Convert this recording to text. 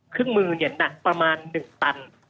เครื่องมือเนี่ยหนักประมาณหนึ่งตัน